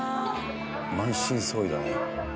満身創痍だね。